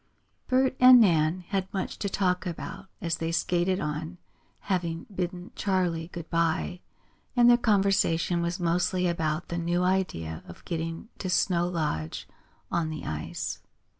Bert and Nan had much to talk about as they skated on, having bidden Charley good bye, and their conversation was mostly about the new idea of getting to Snow Lodge on the ice.